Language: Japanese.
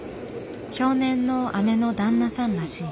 少年の姉の旦那さんらしい。